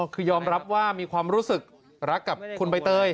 คือยอมรับว่ามีความรู้สึกรักกับคุณใบเตย